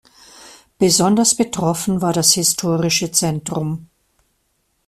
Besonders betroffen war das historische Zentrum.